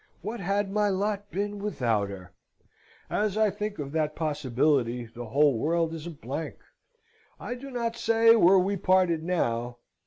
What had my lot been without her? As I think of that possibility, the whole world is a blank. I do not say were we parted now.